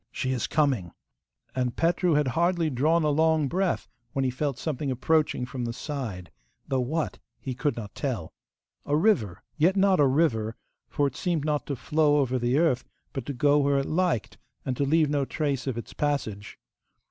She is coming!' And Petru had hardly drawn a long breath when he felt something approaching from the side, though what he could not tell. A river, yet not a river, for it seemed not to flow over the earth, but to go where it liked, and to leave no trace of its passage.